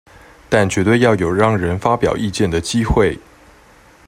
但絕對要有讓人發表意見的機會